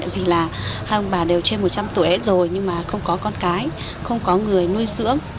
vì là ông bà đều trên một trăm linh tuổi hết rồi nhưng mà không có con cái không có người nuôi dưỡng